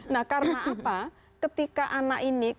nah karena apa ketika anak ini